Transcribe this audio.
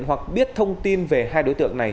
hoặc biết thông tin về hai đối tượng này